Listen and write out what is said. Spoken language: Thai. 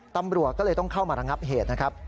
ตำรวจก็เลยต้องเข้ามาระงับเหตุนะครับ